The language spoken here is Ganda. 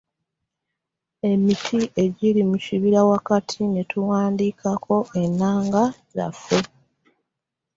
Ku miti egyali wakati mu kibira ne tuwanikako ennanga zaffe.